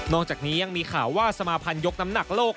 จากนี้ยังมีข่าวว่าสมาภัณฑ์ยกน้ำหนักโลก